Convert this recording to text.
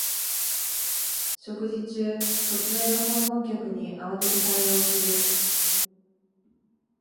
食事中、突然の訪問客に慌てて対応する